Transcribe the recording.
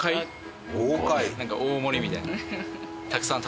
なんか大盛りみたいな。